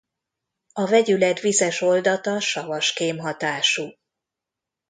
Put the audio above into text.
A vegyület vizes oldata savas kémhatású.